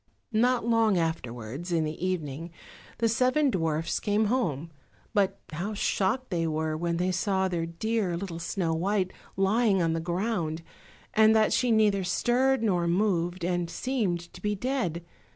Not long afterwards, in the evening, the seven dwarfs came home, but how shocked they were when they saw their dear little Snow white lying on the ground, and that she neither stirred nor moved, and seemed to be dead.